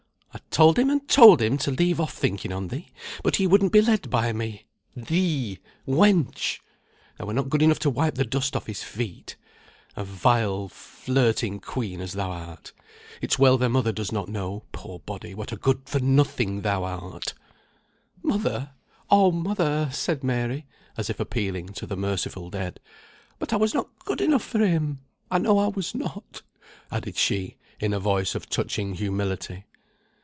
"I told him, and told him to leave off thinking on thee; but he wouldn't be led by me. Thee! wench! thou were not good enough to wipe the dust off his feet. A vile, flirting quean as thou art. It's well thy mother does not know (poor body) what a good for nothing thou art." "Mother! oh mother!" said Mary, as if appealing to the merciful dead. "But I was not good enough for him! I know I was not," added she, in a voice of touching humility.